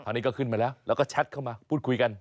ตอนนี้ก็ขึ้นมาแล้วแล้วก็แชทเข้ามาพูดคุยกัน